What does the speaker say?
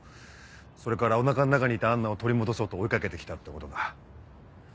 それからお腹の中にいたアンナを取り戻そうと追い掛けて来たってことだ。